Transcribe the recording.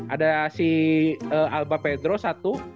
ada si alba pedro satu